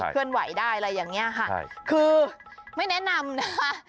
ใช่คือไม่แนะนำนะคะ